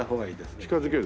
近づける？